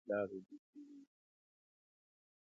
په دې باب دي څه لوستلي دي که نه دي٫